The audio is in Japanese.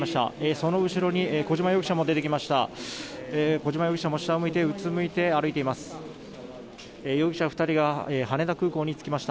その後ろに小島容疑者も出てきました。